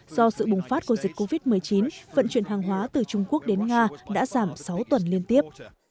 do sự bùng phát của dịch covid một mươi chín vận chuyển hàng hóa từ trung quốc đến nga đã giảm sáu tuần liên tiếp